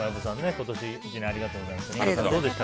今年１年ありがとうございました。